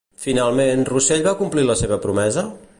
Finalment, Rosell va complir la seva promesa?